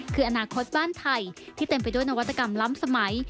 คืออนาคตบ้านไทยที่เต็มไปด้วยนวัตกรรมล้ำสมัย